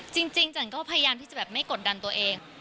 จันก็พยายามที่จะแบบไม่กดดันตัวเอง